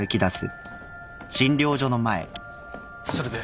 それで？